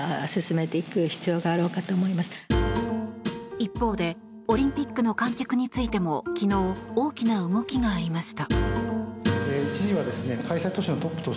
一方でオリンピックの観客についても昨日、大きな動きがありました。